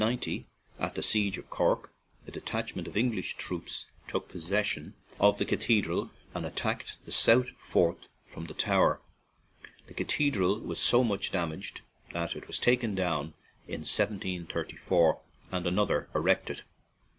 In 1690, at the siege of Cork, a de tachment of English troops took posses sion of the cathedral and attacked the south fort from the tower; the cathedral was so much damaged that it was taken down in 1734 and another erected.